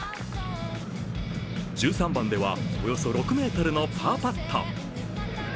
１３番ではおよそ６ｍのパーパット。